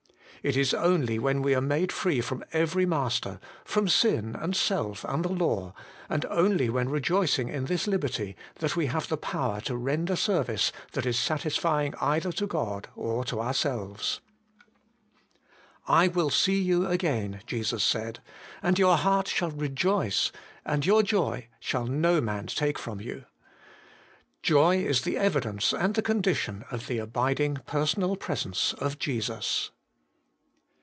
It is only when made free from every master, from sin and self and the law, and only when rejoicing in this liberty, that we have the power to render service that is satisfying either to God or to ourselves. ' I will see you again,' Jesus said, 'and your heart shall rejoice, and your joy shall no man take from you.' Joy is the evidence and the condition of the abiding personal presence of Jesus.